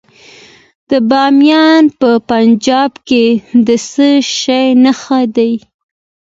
د بامیان په پنجاب کې د څه شي نښې دي؟